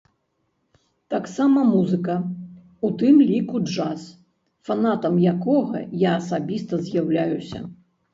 Таксама музыка, у тым ліку джаз, фанатам якога я асабіста з'яўляюся.